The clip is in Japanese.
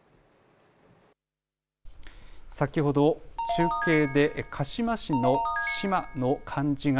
先ほど中継で鹿嶋市の嶋の漢字が